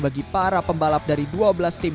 bagi para pembalap dari dua belas tim